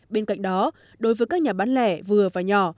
bên cạnh đó đối với các nhà bán lẻ vừa và nhỏ